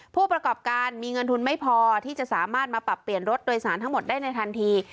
ผู้ประกอบการมีเงินทุนไม่พอที่จะสามารถมาปรับเปลี่ยนรถโดยสารทั้งหมดได้ในทันที